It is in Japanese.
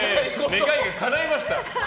願いがかないました。